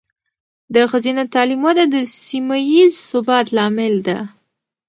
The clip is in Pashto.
د ښځینه تعلیم وده د سیمه ایز ثبات لامل ده.